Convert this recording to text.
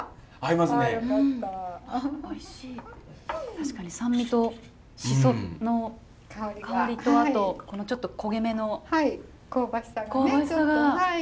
確かに酸味とシソの香りとあとこのちょっと焦げ目の香ばしさが。